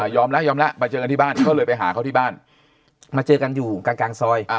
ยอมแล้วยอมแล้วมาเจอกันที่บ้านเขาเลยไปหาเขาที่บ้านมาเจอกันอยู่กลางกลางซอย